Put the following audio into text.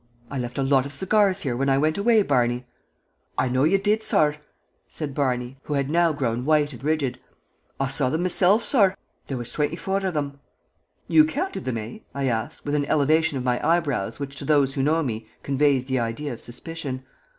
"I left a lot of cigars here when I went away, Barney." "I know ye did, sorr," said Barney, who had now grown white and rigid. "I saw them meself, sorr. There was twinty foor of 'em." "You counted them, eh?" I asked, with an elevation of my eyebrows which to those who know me conveys the idea of suspicion.